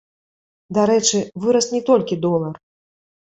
Дарэчы, вырас не толькі долар.